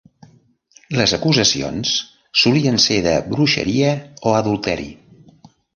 Les acusacions solien ser de bruixeria o adulteri.